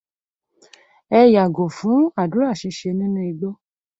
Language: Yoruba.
Ẹ yàgò fún ádùrá ṣiṣe nínú igbó.